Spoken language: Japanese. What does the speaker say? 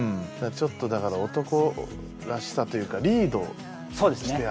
ちょっとだから男らしさというかリードしてあげられる感。